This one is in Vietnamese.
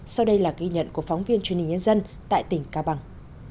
sau đây là ghi nhận của phóng viên truyền hình nhân dân tại tỉnh cao bằng